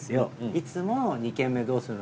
いつもの「二軒目どうする？」